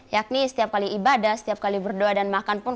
yakni setiap kali ibadah setiap kali berdoa dan makan pun